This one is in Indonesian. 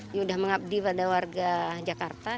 ini sudah mengabdi pada warga jakarta